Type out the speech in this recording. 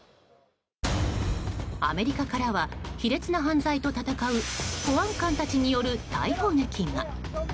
アメリカからは卑劣な犯罪と戦う保安官たちによる逮捕劇が。